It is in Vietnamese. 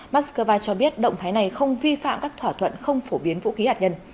moscow cho biết động thái này không vi phạm các thỏa thuận không phổ biến vũ khí hạt nhân